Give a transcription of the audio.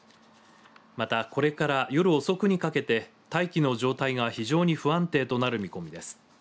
また、これから夜遅くにかけて大気の状態が非常に不安定となる見込みです。